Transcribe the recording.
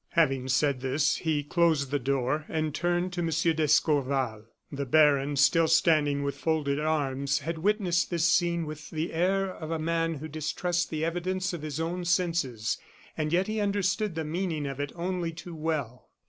Having said this, he closed the door and turned to M. d'Escorval. The baron, still standing with folded arms, had witnessed this scene with the air of a man who distrusts the evidence of his own senses; and yet he understood the meaning of it only too well.